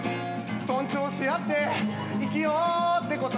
「尊重し合って生きようってこと」